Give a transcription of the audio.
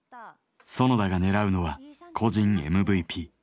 園田が狙うのは「個人ＭＶＰ」。